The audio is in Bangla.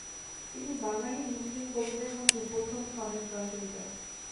তিনি বাঙালি মুসলিম কবিদের মধ্যে প্রথম সনেট রচয়িতা।